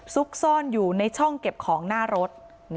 ซุกซ่อนอยู่ในช่องเก็บของหน้ารถ